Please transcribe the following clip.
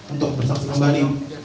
untuk bersaksi kembali